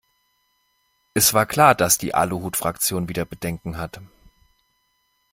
Es war klar, dass die Aluhutfraktion wieder Bedenken hat.